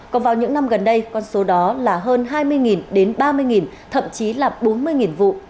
còn vào những năm gần đây con số đó là hơn hai mươi đến ba mươi thậm chí là bốn mươi vụ